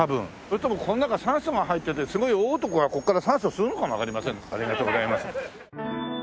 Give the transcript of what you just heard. それともこの中酸素が入っててすごい大男がここから酸素を吸うのかもわかりません。